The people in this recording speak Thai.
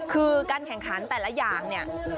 คือการแข่งขันแต่ละอย่างเนี่ย